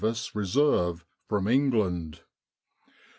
Reserve from England.